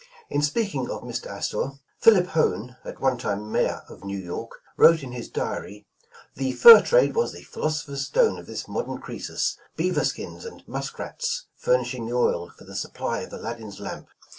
In speaking of Mr. Astor, Philip Hone, at one time Mayor of New York, wrote in his ''Diary": "The fur trade was the philosopher's stone of this modern Croe sus, beaver skins and musk rats furnishing the oil for 137 The Original John Jacob Astor the supply of Aladdin's lamp.